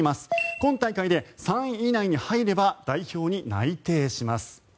今大会で３位以内に入れば代表に内定します。